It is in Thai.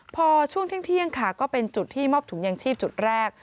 พอช่วงเที่ยงค่ะก็เป็นจุดที่มอบถุงยางชีพจุดแรก